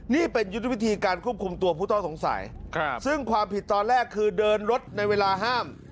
นี่เป็นยุทธวิธีการควบคุมตัวผู้ต้องสงสัยซึ่งความผิดตอนแรกคือเดินรถในเวลาห้าม